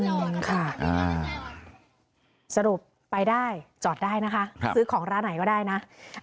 งงค่ะสรุปไปได้จอดได้นะคะซื้อของร้านไหนก็ได้นะ